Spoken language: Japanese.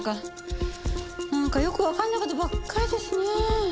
なんかよくわかんない事ばっかりですね。